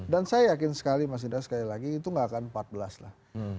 dan saya yakin sekali mas indra sekali lagi itu nggak akan empat belas lah